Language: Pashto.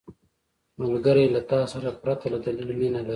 ملګری له تا سره پرته له دلیل مینه لري